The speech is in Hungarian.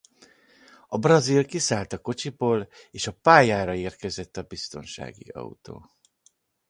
A brazil kiszállt a kocsiból és a pályára érkezett a biztonsági autó.